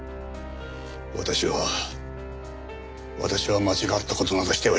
私は私は間違った事などしてはいない。